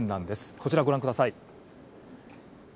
こちら、ご覧ください。